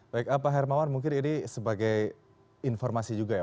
baik pak hermawan mungkin ini sebagai informasi juga ya